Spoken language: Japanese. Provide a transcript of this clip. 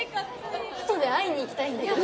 あとで会いに行きたいんだけど